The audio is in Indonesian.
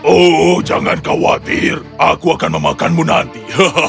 oh jangan khawatir aku akan memakanmu nanti